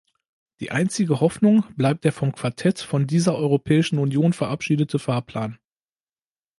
Die einzige Hoffnung bleibt der vom Quartett, von dieser Europäischen Union verabschiedete Fahrplan.